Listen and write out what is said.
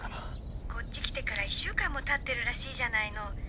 ☎こっち来てから１週間もたってるらしいじゃないの。